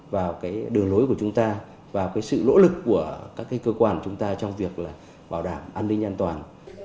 và cái đường lối của chúng ta và cái sự lỗ lực của các cơ quan chúng ta trong việc là bảo đảm an ninh an toàn